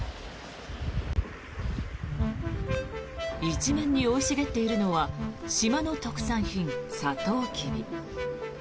一面に生い茂っているのは島の特産品、サトウキビ。